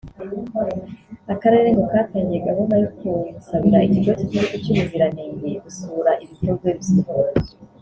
Akarere ngo katangiye gahunda yo kumusabira ikigo cy’Igihugu cy’ubuziranenge gusura ibikorwe bye